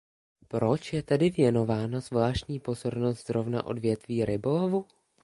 Proč je tedy věnována zvláštní pozornost zrovna odvětví rybolovu?